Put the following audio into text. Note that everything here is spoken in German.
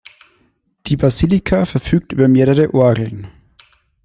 Die Basilika verfügt über mehrere Orgeln.